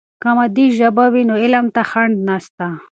که مادي ژبه وي نو علم ته خنډ نسته.